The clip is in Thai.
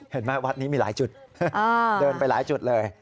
เห็นไหมวัดนี้มีหลายจุดเดินไปหลายจุดเลย